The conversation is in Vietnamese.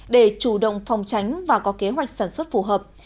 để chủ động phòng tránh và có kế hoạch sản xuất phù hợp